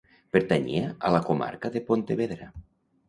Pertanyia a la Comarca de Pontevedra.